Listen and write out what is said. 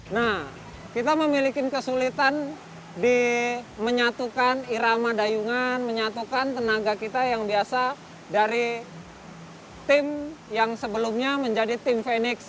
nah kita memiliki kesulitan di menyatukan irama dayungan menyatukan tenaga kita yang biasa dari tim yang sebelumnya menjadi tim fenix